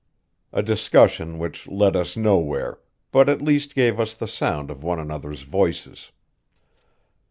A discussion which led us nowhere, but at least gave us the sound of one another's voices.